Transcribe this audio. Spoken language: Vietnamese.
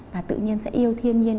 và tự nhiên sẽ yêu thiên nhiên